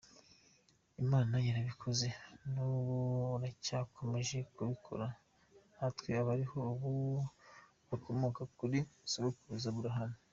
Imana yarabikoze n’ubu iracyakomeje kubikorera natwe abariho ubu bakomoka kuri Sogokuruza Aburahamu.